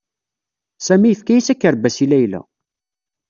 Sami yefka-as akerbas i Layla.